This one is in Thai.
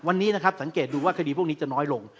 วันนี้นะครับสังเกตดูว่าคดีพวกนี้จะน้อยลง